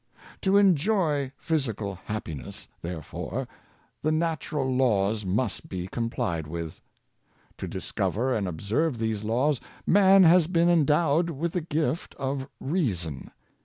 To enjoy physical happiness, therefore, the natural laws must be complied with. To discover and observe these laws, man has been endowed with the gift of reason.